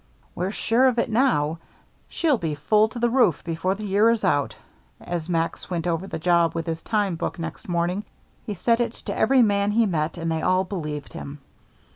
"We're sure of it now. She'll be full to the roof before the year is out." As Max went over the job with his time book next morning, he said it to every man he met, and they all believed him.